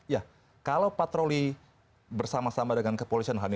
ya kalau patroli bersama sama dengan kepolisian hani